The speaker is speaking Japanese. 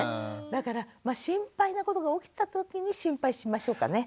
だから心配なことが起きた時に心配しましょうかね。